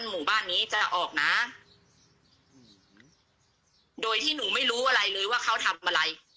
หมู่บ้านนี้จะออกนะโดยที่หนูไม่รู้อะไรเลยว่าเขาทำอะไร